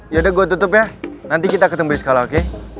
yaudah gue tutup ya nanti kita ketemui sekali oke